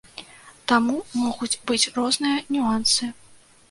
Таму могуць быць розныя нюансы.